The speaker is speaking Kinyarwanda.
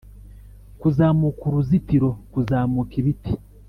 kuzamuka uruzitiro, kuzamuka ibiti